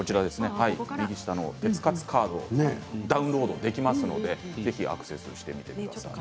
鉄活カードダウンロードできますのでぜひアクセスしてください。